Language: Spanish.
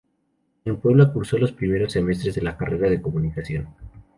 En Puebla cursó los primeros semestres de la carrera de Comunicación.